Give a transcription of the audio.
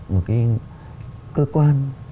một cái cơ quan